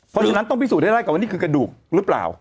เพราะฉะนั้นต้องพิสูให้ได้ก่อนว่านี่คือกระดูกหรือเปล่า